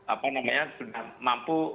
apa namanya sudah mampu